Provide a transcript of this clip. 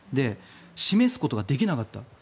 示すことができなかった。